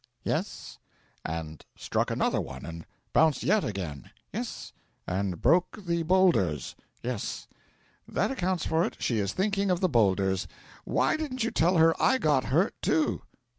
'Yes.' 'And struck another one and bounced yet again?' 'Yes.' 'And broke the boulders?' 'Yes.' 'That accounts for it; she is thinking of the boulders. Why didn't you tell her I got hurt, too?'